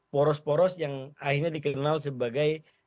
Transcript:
poros poros yang akhirnya dikenal sebagai